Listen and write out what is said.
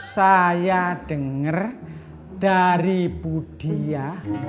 saya denger dari budia